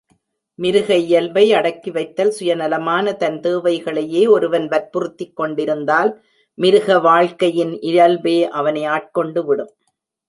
மிருக இயல்பை அடக்கிவைத்தல் சுயநலமான தன் தேவைகளையே ஒருவன் வற்புறுத்திக் கொண்டிருந்தால், மிருக வாழ்க்கையின் இயல்பே அவனை ஆட்கொண்டுவிடும்.